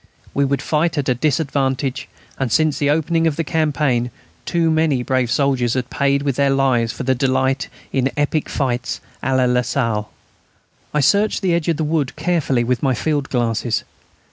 We should fight at a disadvantage, and since the opening of the campaign too many brave soldiers have paid with their lives for their delight in epic fights à la Lasalle. I searched the edge of the wood carefully with my field glasses.